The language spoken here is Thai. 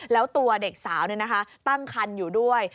แล้วตัวเด็กสาวตั้งคันอยู่ด้วย